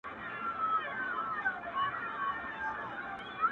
ستا د ميني لاوا وينم، د کرکجن بېلتون پر لاره.